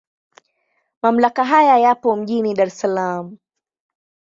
Mamlaka haya yapo mjini Dar es Salaam.